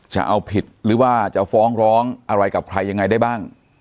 จะเอาผิดหรือว่าจะฟ้องร้องอะไรกับใครยังไงได้บ้าง